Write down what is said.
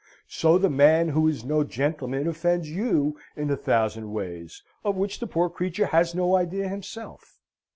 So the man who is no gentleman offends you in a thousand ways of which the poor creature has no idea himself.